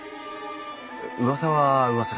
噂は噂だ。